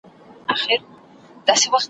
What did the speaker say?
بلکه خپل وړوکی ځان یې سمندر سو ,